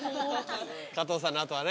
加藤さんの後はね。